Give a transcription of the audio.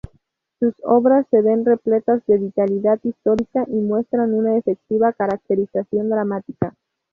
Sus obras se ven repletas de vitalidad histórica y muestran una efectiva caracterización dramática.